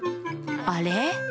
あれ？